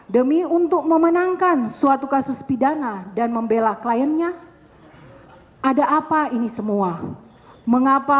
demi untuk memenangkan suatu kasus pidana dan membela kliennya ada apa ini semua mengapa